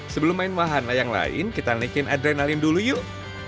sebelum main wahana yang lain kita naikin adrenalin dulu yuk